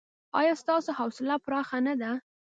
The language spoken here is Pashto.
ایا ستاسو حوصله پراخه نه ده؟